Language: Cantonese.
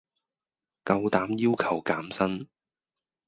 夠膽要求減薪